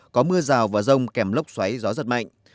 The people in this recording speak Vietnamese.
có mưa rào và rông kèm lốc xoáy gió giật mạnh